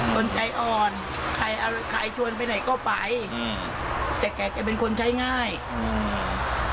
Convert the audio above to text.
คนใจอ่อนใครเอาใครชวนไปไหนก็ไปอืมแต่แกเป็นคนใช้ง่ายอืม